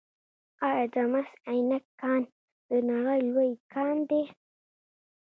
آیا د مس عینک کان د نړۍ لوی کان دی؟